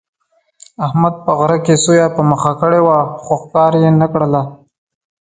احمد په غره کې سویه په مخه کړې وه، خو ښکار یې نه کړله.